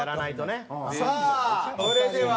さあそれでは。